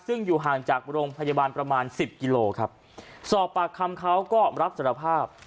ซึ่งอยู่ห่างจากโรงพยาบาลประมาณสิบกิโลครับสอบปากคำเขาก็รับสารภาพ